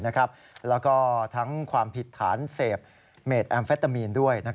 แล้วก็ทั้งความผิดฐานเสพเมดแอมเฟตามีนด้วย